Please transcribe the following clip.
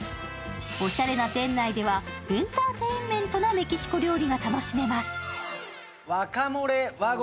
おしゃれな店内ではエンターテインメントなメキシコ料理が楽しめます。